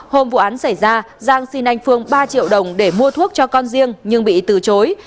hôm vụ án xảy ra giang xin anh phương ba triệu đồng để mua thuốc cho con riêng nhưng bị từ chối